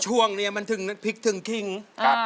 ช่วงนี้มันถึงถึงทิ้งอ่า